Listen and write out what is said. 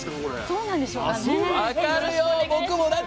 そうなんでしょうかね。